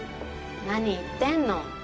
何言ってんの。